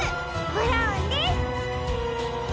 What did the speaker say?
ブラウンです！